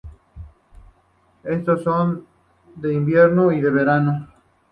Estos son: de invierno y de verano.